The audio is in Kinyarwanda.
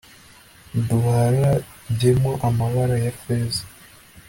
duharagemo amabara ya feza